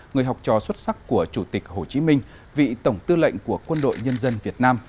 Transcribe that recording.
người học trò xuất sắc của chủ tịch hồ chí minh vị tổng tư lệnh của quân đội nhân dân việt nam